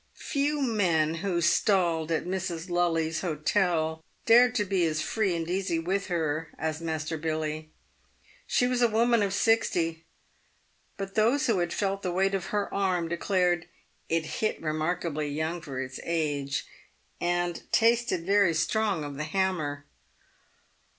Few men who " stalled" at Mrs. Lully's hotel dared to be as free and easy with her as Master Billy. She was a woman of sixty, but those who had felt the weight of her arm, declared " it hit remarkably young for its age," and "tasted very strong of the hammer."